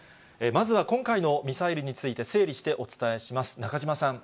まずは今回のミサイルについて、整理してお伝えします。